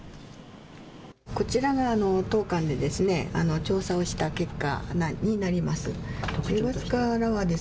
こちらが当館で調査をした結果になります。